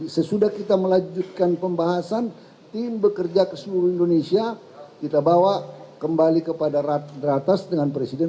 sesudah kita melanjutkan pembahasan tim bekerja ke seluruh indonesia kita bawa kembali kepada ratas dengan presiden